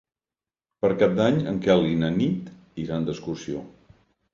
Per Cap d'Any en Quel i na Nit iran d'excursió.